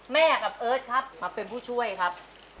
แม่กับเอิร์ทครับมาเป็นผู้ช่วยครับ